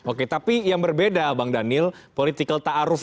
oke tapi yang berbeda bang daniel political ta'aruk kira kira begitu